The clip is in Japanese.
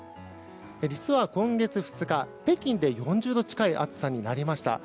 実は今月２日北京で４０度近い暑さになりました。